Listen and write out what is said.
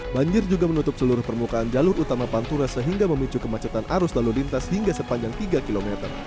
banjir juga menutup seluruh permukaan jalur utama pantura sehingga memicu kemacetan arus lalu lintas hingga sepanjang tiga km